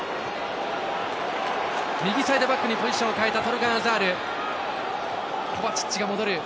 右サイドバックにポジションを変えたトルガン・アザール。